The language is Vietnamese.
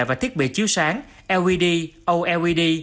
và thiết bị chiếu sáng lvd olvd